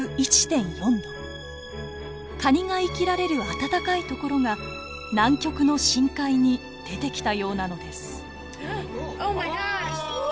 カニが生きられる暖かい所が南極の深海に出てきたようなのです。